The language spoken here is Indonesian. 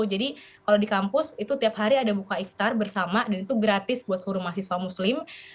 jadi kalau di kampus itu tiap hari ada buka iftar bersama dan itu gratis buat seluruh mahasiswa muslim